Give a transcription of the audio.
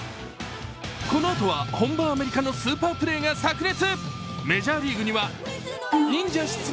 このあとは本場アメリカのスーパープレーがさく裂。